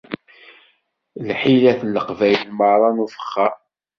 Lḥilat n leqbayel merra n ufexxar